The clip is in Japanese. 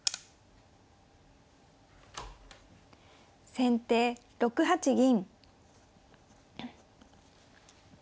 先手６八銀。